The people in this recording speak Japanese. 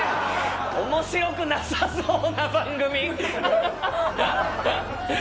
面白くなさそうな番組。